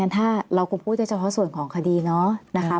ถ้าเราคงพูดได้เฉพาะส่วนของคดีเนาะนะคะ